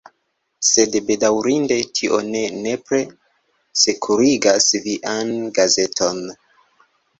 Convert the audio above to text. Sed, bedaŭrinde, tio ne nepre sekurigas vian gazeton.